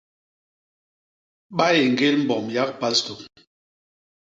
Ba éñgél mbom yak pastô.